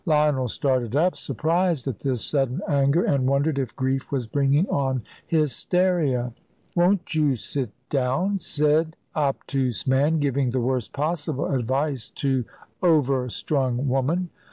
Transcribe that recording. Lionel started up, surprised at this sudden anger, and wondered if grief was bringing on hysteria. "Won't you sit down?" said obtuse man, giving the worst possible advice to overstrung woman.